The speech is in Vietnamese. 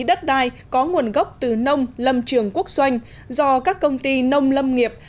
đất đai có nguồn gốc từ nông lâm trường quốc doanh do các công ty nông lâm nghiệp